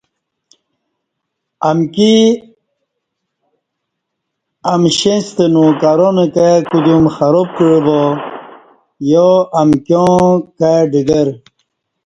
امکی امشݩیں ستہ نوکران کائ کودیوم خراب کع با یا امکیاں کائ ڈگر